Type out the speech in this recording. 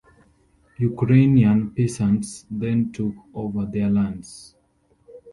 Ukrainian peasants then took over their lands.